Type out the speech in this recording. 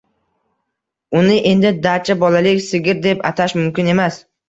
Uni endi "dacha", bolalik sigir deb atash mumkin emas